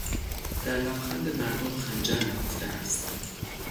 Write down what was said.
در لبخند مردم خنجر نهفته است.